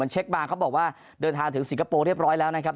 เช็คมาเขาบอกว่าเดินทางถึงสิงคโปร์เรียบร้อยแล้วนะครับ